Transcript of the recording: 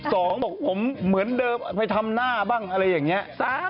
สองบอกผมเหมือนเดิมไปทำหน้าบ้างอะไรอย่างนี้